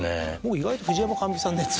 意外と藤山寛美さんのやつ。